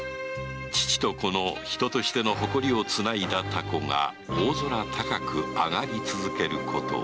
父と子の人としての誇りを繋いだ凧が大空高くあがり続けることを